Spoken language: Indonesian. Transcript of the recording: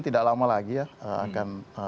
tidak lama lagi ya